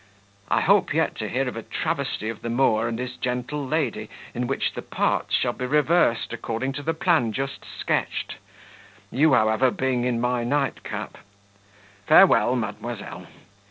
"I hope yet to hear of a travesty of the Moor and his gentle lady, in which the parts shall be reversed according to the plan just sketched you, however, being in my nightcap. Farewell, mademoiselle!"